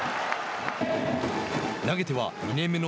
投げては２年目の